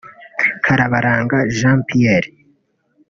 Karabaranga Jean Pierre